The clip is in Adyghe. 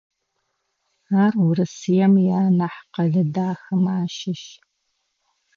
Ар Урысыем ианахь къэлэ дахэмэ ащыщ.